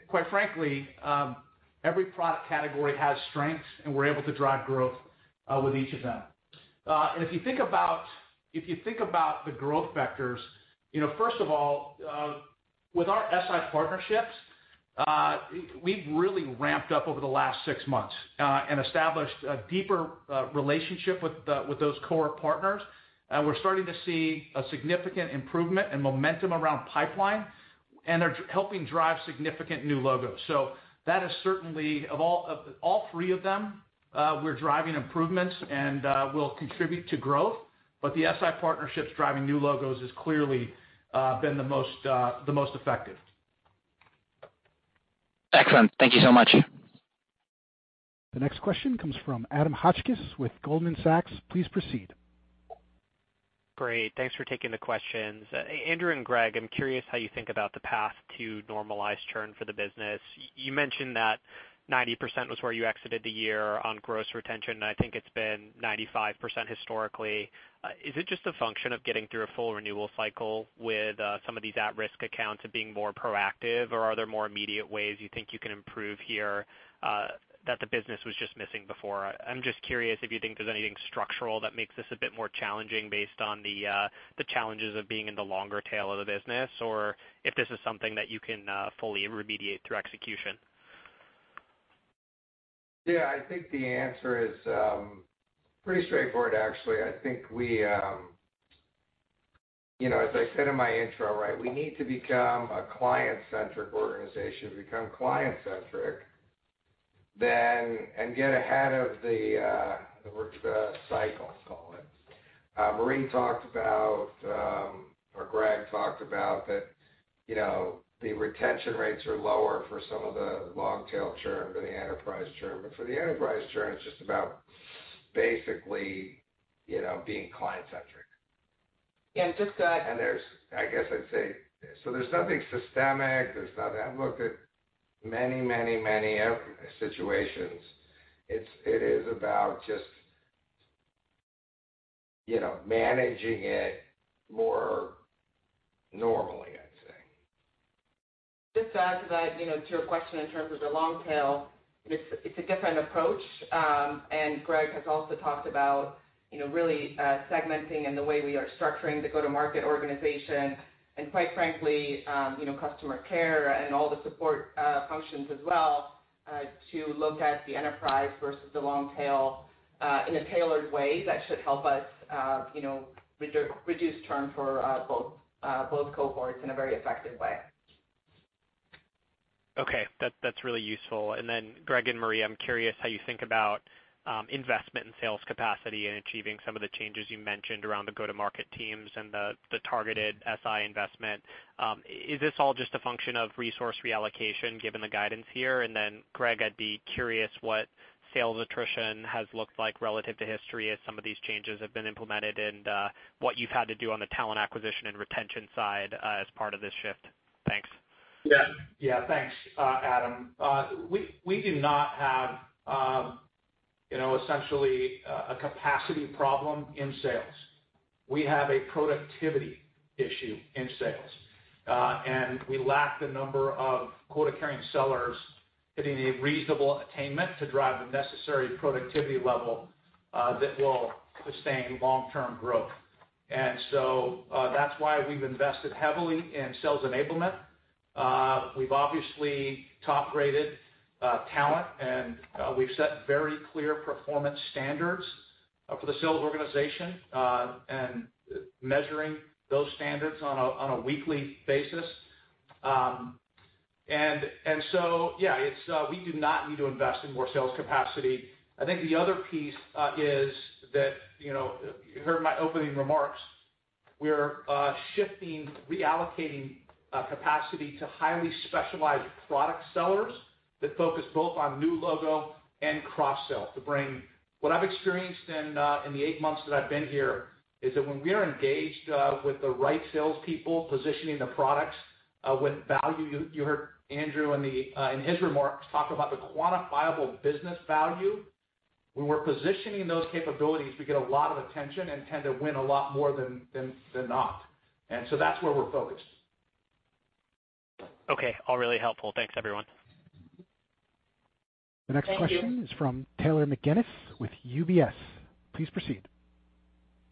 D: quite frankly, every product category has strengths, and we're able to drive growth with each of them. And if you think about, if you think about the growth vectors first of all, with our SI partnerships, we've really ramped up over the last six months, and established a deeper relationship with the, with those core partners. And we're starting to see a significant improvement and momentum around pipeline, and they're helping drive significant new logos. That is certainly of all three of them, we're driving improvements and will contribute to growth, but the SI partnerships driving new logos has clearly been the most effective.
F: Excellent. Thank you so much.
A: The next question comes from Adam Hotchkiss with Goldman Sachs. Please proceed.
G: Great. Thanks for taking the questions. Andrew and Greg, I'm curious how you think about the path to normalized churn for the business. You mentioned that 90% was where you exited the year on gross retention, and I think it's been 95% historically. Is it just a function of getting through a full renewal cycle with some of these at-risk accounts and being more proactive, or are there more immediate ways you think you can improve here that the business was just missing before? I'm just curious if you think there's anything structural that makes this a bit more challenging based on the challenges of being in the longer tail of the business, or if this is something that you can fully remediate through execution.
C: The answer is pretty straightforward, actually. I think we, you know, as I said in my intro, right, we need to become a client-centric organization. To become client-centric, then and get ahead of the cycle, call it. Marje talked about, or Greg talked about that, you know, the retention rates are lower for some of the long-tail churn or the enterprise churn. But for the enterprise churn, it's just about basically, you know, being client-centric. And there's, I guess I'd say, so there's nothing systemic. I've looked at many, many, many situations. It's about just managing it more normally, I'd say.
E: Just to add to that to your question in terms of the long tail, it's a different approach. And Greg has also talked about, you know, really, segmenting and the way we are structuring the go-to-market organization, and quite frankly, you know, customer care and all the support functions as well, to look at the enterprise versus the long tail, in a tailored way that should help us, you know, reduce churn for both cohorts in a very effective way.
G: Okay, that, that's really useful. And then Greg and Marje, I'm curious how you think about investment in sales capacity and achieving some of the changes you mentioned around the go-to-market teams and the targeted SI investment. Is this all just a function of resource reallocation, given the guidance here? And then, Greg, I'd be curious what sales attrition has looked like relative to history as some of these changes have been implemented and what you've had to do on the talent acquisition and retention side as part of this shift. Thanks.
D: Yeah. Yeah, thanks, Adam. We do not have, you know, essentially, a capacity problem in sales. We have a productivity issue in sales, and we lack the number of quota-carrying sellers hitting a reasonable attainment to drive the necessary productivity level that will sustain long-term growth. And so, that's why we've invested heavily in sales enablement. We've obviously top-graded talent, and we've set very clear performance standards for the sales organization, and measuring those standards on a weekly basis. And so, yeah, it's. We do not need to invest in more sales capacity. I think the other piece is that, you know, you heard my opening remarks, we're shifting, reallocating capacity to highly specialized product sellers that focus both on new logo and cross sell to bring, what I've experienced in the eight months that I've been here is that when we are engaged with the right salespeople, positioning the products with value, you heard Andrew in his remarks talk about the quantifiable business value. When we're positioning those capabilities, we get a lot of attention and tend to win a lot more than not. And so that's where we're focused.
G: Okay, all really helpful. Thanks, everyone.
D: Thank you.
A: The next question is from Taylor McGinnis with UBS. Please proceed.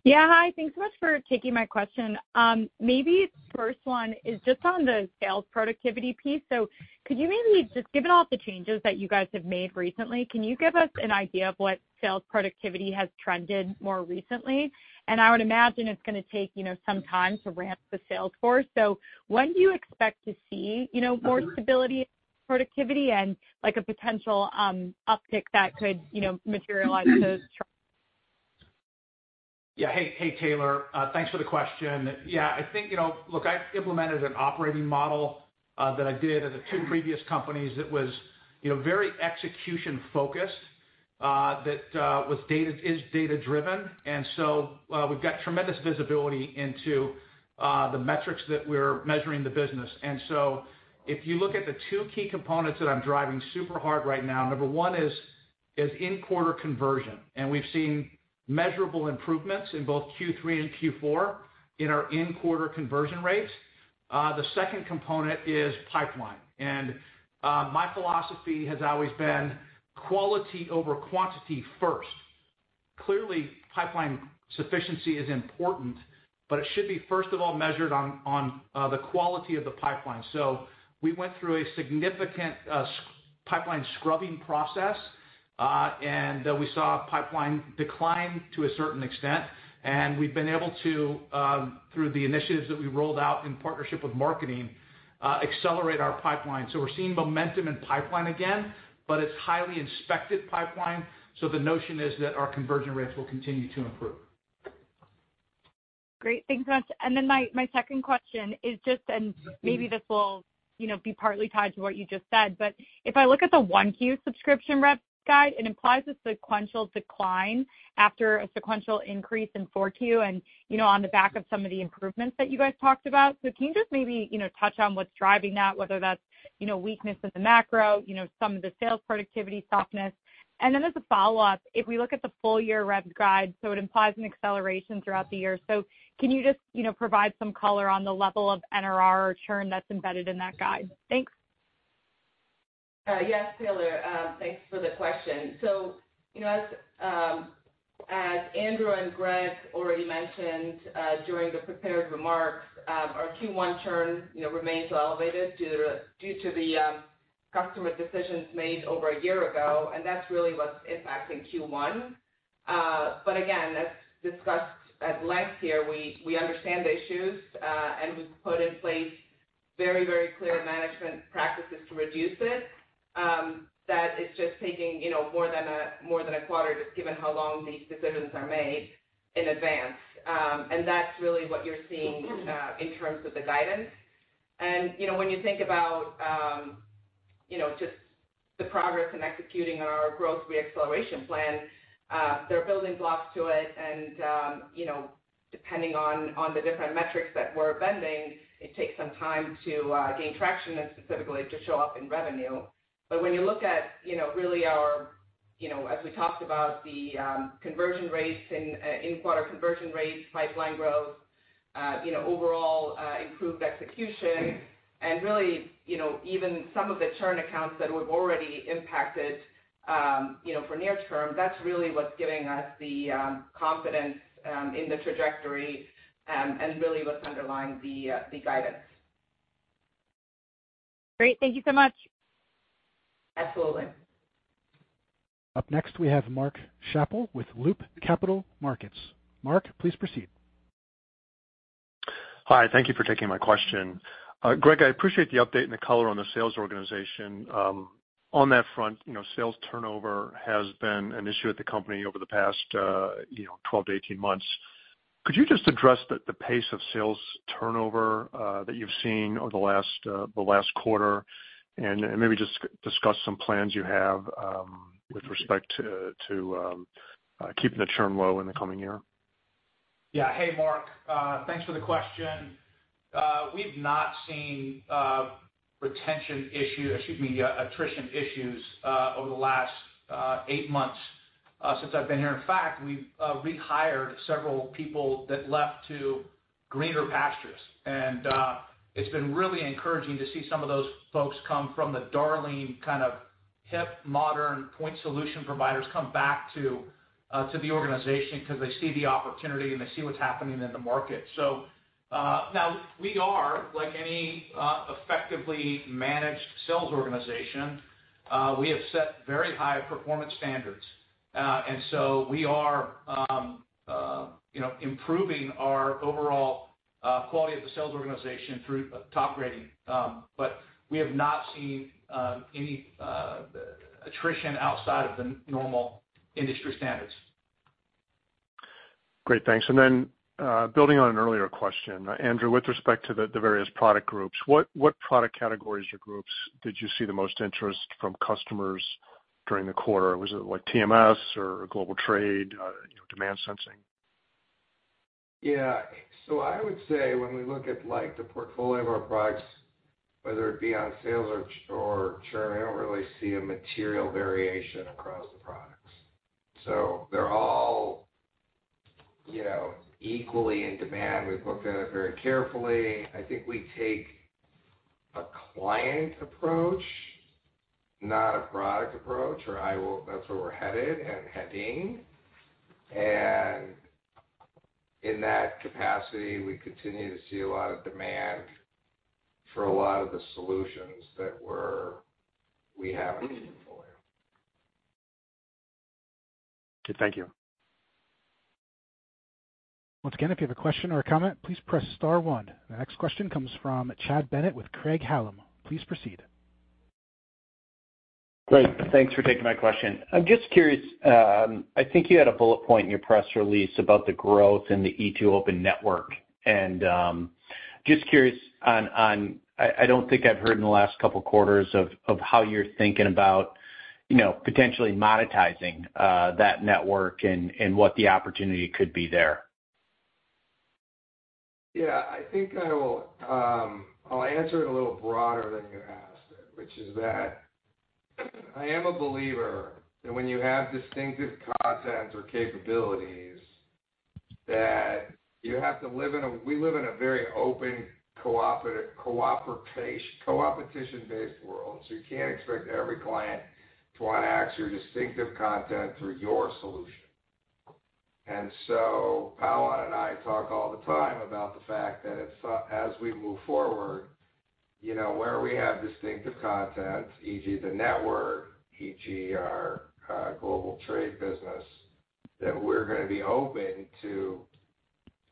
H: Hi, thanks so much for taking my question. Maybe the first one is just on the sales productivity piece. So could you maybe just, given all the changes that you guys have made recently, can you give us an idea of what sales productivity has trended more recently? And I would imagine it's gonna take, you know, some time to ramp the sales force. So when do you expect to see, you know, more stability, productivity, and, like, a potential uptick that could, you know, materialize those?
D: Yeah. Hey, hey, Taylor. Thanks for the question. Yeah, I think, you know, look, I've implemented an operating model that I did at the two previous companies that was, you know, very execution-focused that is data-driven. And so we've got tremendous visibility into the metrics that we're measuring the business. And so if you look at the two key components that I'm driving super hard right now, number one is in-quarter conversion, and we've seen measurable improvements in both Q3 and Q4 in our in-quarter conversion rates. The second component is pipeline. And my philosophy has always been quality over quantity first. Clearly, pipeline sufficiency is important, but it should be, first of all, measured on the quality of the pipeline. So we went through a significant pipeline scrubbing process, and then we saw a pipeline decline to a certain extent. And we've been able to, through the initiatives that we rolled out in partnership with marketing, accelerate our pipeline. So we're seeing momentum in pipeline again, but it's highly inspected pipeline, so the notion is that our conversion rates will continue to improve.
H: Great. Thanks so much. Then my second question is just, and maybe this will, you know, be partly tied to what you just said, but if I look at the 1Q subscription rev guide, it implies a sequential decline after a sequential increase in 4Q, and, you know, on the back of some of the improvements that you guys talked about. So can you just maybe, you know, touch on what's driving that, whether that's, you know, weakness in the macro, you know, some of the sales productivity softness? And then as a follow-up, if we look at the full-year rev guide, so it implies an acceleration throughout the year. So can you just, you know, provide some color on the level of NRR churn that's embedded in that guide? Thanks.
E: Yes, Taylor, thanks for the question. So, you know, as, as Andrew and Greg already mentioned, during the prepared remarks, our Q1 churn, you know, remains well elevated due to the customer decisions made over a year ago, and that's really what's impacting Q1. But again, as discussed at length here, we understand the issues, and we've put in place very, very clear management practices to reduce it. That it's just taking more than a quarter, just given how long these decisions are made in advance. And that's really what you're seeing, in terms of the guidance. When you think about just the progress in executing our growth reacceleration plan, there are building blocks to it, and, you know, depending on the different metrics that we're bending, it takes some time to gain traction and specifically to show up in revenue. As we talked about the conversion rates and in-quarter conversion rates, pipeline growth, you know, overall, improved execution, and really even some of the churn accounts that we've already impacted for near term, that's really what's giving us the confidence in the trajectory, and really what's underlying the guidance.
H: Great. Thank you so much.
E: Absolutely.
A: Up next, we have Mark Schappel with Loop Capital Markets. Mark, please proceed.
I: Hi, thank you for taking my question. Greg, I appreciate the update and the color on the sales organization. On that front, you know, sales turnover has been an issue at the company over the past, you know, 12-18 months. Could you just address the pace of sales turnover that you've seen over the last quarter? And maybe just discuss some plans you have with respect to keeping the churn low in the coming year.
D: Yeah. Hey, Mark, thanks for the question. We've not seen retention issue—excuse me, attrition issues over the last eight months since I've been here. In fact, we've rehired several people that left to greener pastures. And it's been really encouraging to see some of those folks come from the darling kind of hip, modern point solution providers come back to the organization because they see the opportunity and they see what's happening in the market. So now we are, like any effectively managed sales organization, we have set very high performance standards. And so we are, you know, improving our overall quality of the sales organization through top grading. But we have not seen any attrition outside of the normal industry standards.
I: Great, thanks. And then, building on an earlier question, Andrew, with respect to the various product groups, what product categories or groups did you see the most interest from customers during the quarter? Was it like TMS or Global Trade, Demand Sensing?
C: I would say when we look at like the portfolio of our products, whether it be on sales or churn, I don't really see a material variation across the products. So they're all equally in demand. We've looked at it very carefully. I think we take a client approach, not a product approach, or that's where we're headed and heading. And in that capacity, we continue to see a lot of demand for a lot of the solutions that we have in portfolio.
I: Good. Thank you.
A: Once again, if you have a question or a comment, please press star one. The next question comes from Chad Bennett with Craig-Hallum. Please proceed.
J: Great, thanks for taking my question. I'm just curious, I think you had a bullet point in your press release about the growth in the e2open network. I don't think I've heard in the last couple of quarters of how you're thinking about, you know, potentially monetizing that network and what the opportunity could be there.
C: Yeah, I think I will. I'll answer it a little broader than you asked it, which is that I am a believer that when you have distinctive content or capabilities, that you have to live in a, we live in a very open, coopetition-based world, so you can't expect every client to want to access your distinctive content through your solution. And so Pawan and I talk all the time about the fact that as we move forward, you know, where we have distinctive content, e.g., the network, e.g., our Global Trade business, that we're gonna be open to,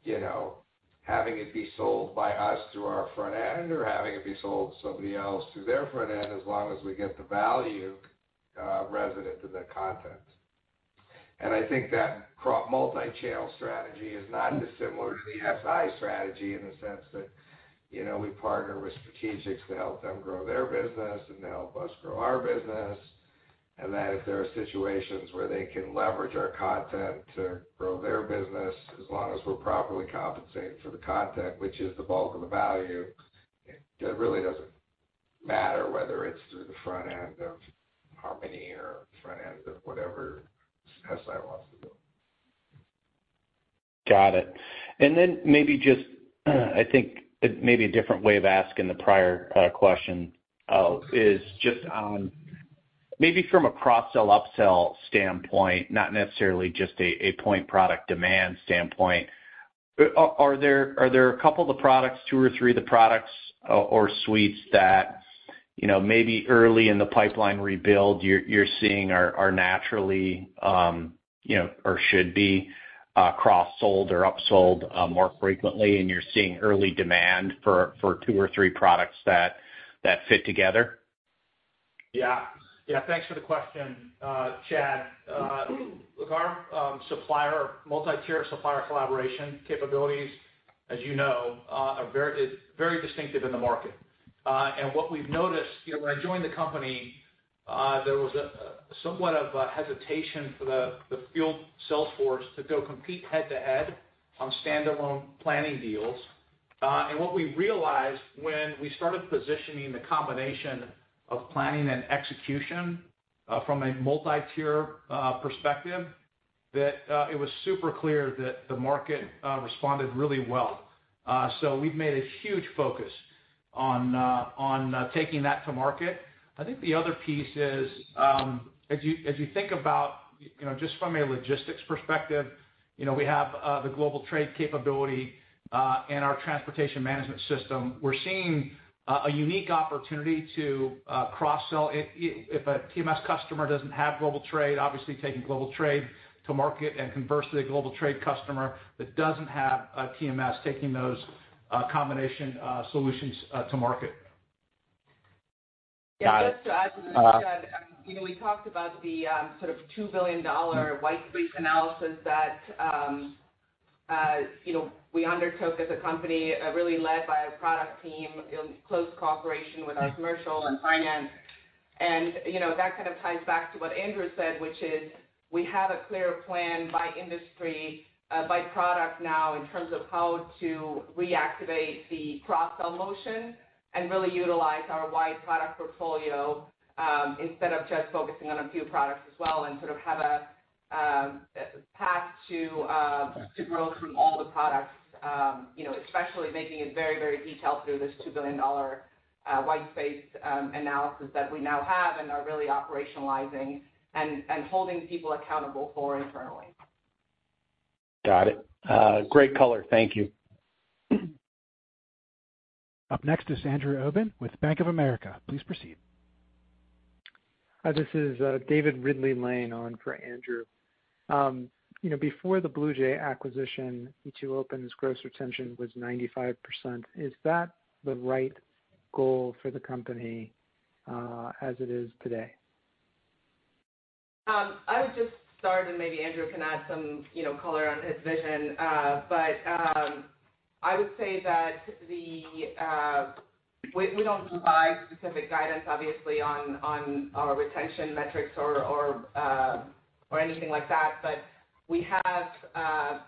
C: you know, having it be sold by us through our front end or having it be sold to somebody else through their front end, as long as we get the value resident to the content. And I think that multi-channel strategy is not dissimilar to the SI strategy in the sense that, you know, we partner with strategics to help them grow their business and help us grow our business. And that if there are situations where they can leverage our content to grow their business, as long as we're properly compensated for the content, which is the bulk of the value, it really doesn't matter whether it's through the front end of Harmony or front end of whatever SI wants to do.
J: Got it. And then maybe just, I think maybe a different way of asking the prior question is just on maybe from a cross-sell, upsell standpoint, not necessarily just a point product demand standpoint. Are there a couple of the products, two or three of the products or suites that, you know, maybe early in the pipeline rebuild, you're seeing are naturally, you know, or should be cross-sold or upsold more frequently, and you're seeing early demand for two or three products that fit together?
D: Yeah. Yeah, thanks for the question, Chad. Look, our supplier, multi-tier supplier collaboration capabilities, as you know, are very, is very distinctive in the market. And what we've noticed, you know, when I joined the company, there was somewhat of a hesitation for the field sales force to go compete head-to-head on standalone planning deals. And what we realized when we started positioning the combination of planning and execution, from a multi-tier perspective, that it was super clear that the market responded really well. So we've made a huge focus on taking that to market. I think the other piece is, as you think about, you know, just from a logistics perspective, you know, we have the Global Trade capability, and our transportation management system. We're seeing a unique opportunity to cross-sell if a TMS customer doesn't have Global Trade, obviously taking Global Trade to market, and conversely, a Global Trade customer that doesn't have a TMS, taking those combination solutions to market.
J: Got it.
E: Yeah, just to add to that, you know, we talked about the, sort of $2 billion whitespace analysis that, you know, we undertook as a company, really led by our product team in close cooperation with our commercial and finance. And, you know, that kind of ties back to what Andrew said, which is we have a clear plan by industry, by product now in terms of how to reactivate the cross-sell motion and really utilize our wide product portfolio, instead of just focusing on a few products as well, and sort of have a path to growth through all the products, you know, especially making it very, very detailed through this $2 billion whitespace analysis that we now have and are really operationalizing and holding people accountable for internally.
J: Got it. Great color. Thank you.
A: Up next is David Ridley with Bank of America. Please proceed.
K: Hi, this is David Ridley-Lane standing in for Andrew. You know, before the BluJay acquisition, e2open's gross retention was 95%. Is that the right goal for the company, as it is today?
E: I would just start, and maybe Andrew can add some, you know, color on his vision. But I would say that we don't provide specific guidance, obviously, on our retention metrics or anything like that. But we have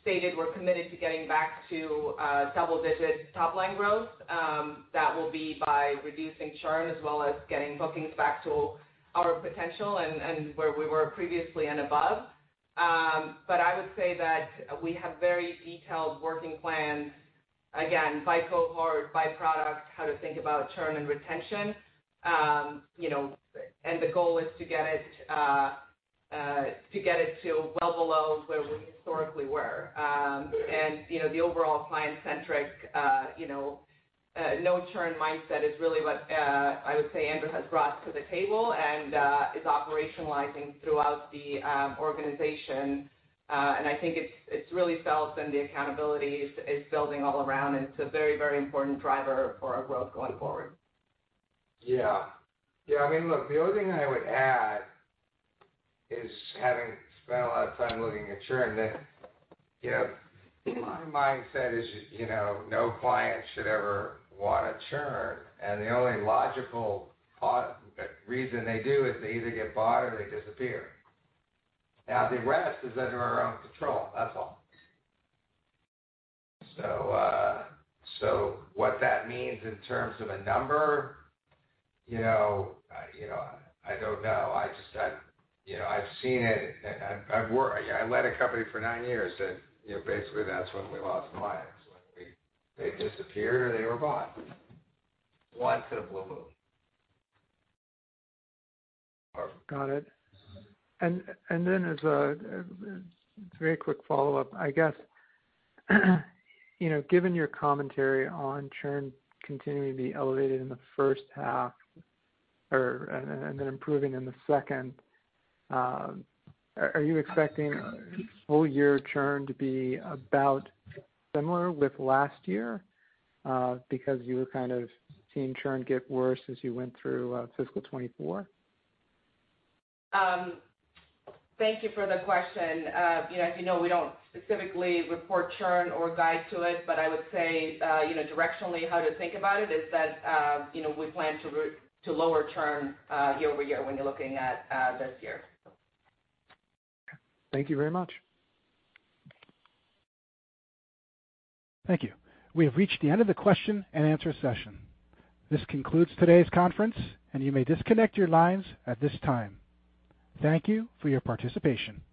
E: stated we're committed to getting back to double-digit top-line growth. That will be by reducing churn as well as getting bookings back to our potential and where we were previously and above. But I would say that we have very detailed working plans, again, by cohort, by product, how to think about churn and retention. You know, and the goal is to get it to well below where we historically were. And the overall client-centric, you know, no churn mindset is really what, I would say Andrew has brought to the table and, is operationalizing throughout the, organization. And I think it's, it's really felt in the accountability. It's building all around, and it's a very, very important driver for our growth going forward.
C: The only thing I would add is having spent a lot of time looking at churn, that, you know, my mindset is, you know, no client should ever want to churn, and the only logical reason they do is they either get bought or they disappear. Now, the rest is under our own control, that's all. So, so what that means in terms of a number, you know, you know, I don't know. I just, you know, I've seen it, and I've I led a company for nine years, and, you know, basically that's when we lost clients, when they disappeared or they were bought. Once in a blue moon.
K: Got it. And then as a very quick follow-up, I guess, you know, given your commentary on churn continuing to be elevated in the first half or, and then improving in the second, are you expecting full year churn to be about similar with last year, because you were kind of seeing churn get worse as you went through fiscal 2024?
E: Thank you for the question. You know, as you know, we don't specifically report churn or guide to it, but I would say, you know, directionally, how to think about it is that, you know, we plan to lower churn year over year when you're looking at this year.
K: Thank you very much.
A: Thank you. We have reached the end of the question-and-answer session. This concludes today's conference, and you may disconnect your lines at this time. Thank you for your participation.